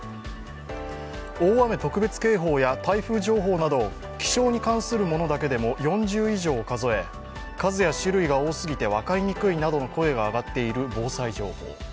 大雨特別警報や台風情報など気象に関するものだけでも４０以上を数え、数や種類が多すぎて分かりにくいなどの声が上がっている防災情報。